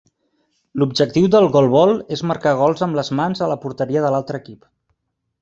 L'objectiu del golbol és marcar gols amb les mans a la porteria de l'altre equip.